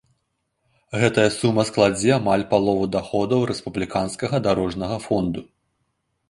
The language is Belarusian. Гэтая сума складзе амаль палову даходаў рэспубліканскага дарожнага фонду.